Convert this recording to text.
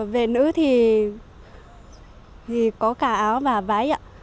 về nữ thì có cả áo và vãi ạ